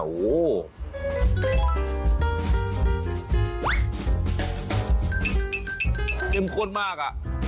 เต็มโคตรมาก